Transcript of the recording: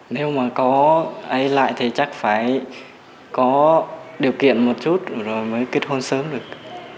nếu mà có ai lại thì chắc phải có điều kiện một chút rồi mới kết hôn sớm được